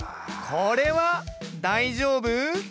これは大丈夫？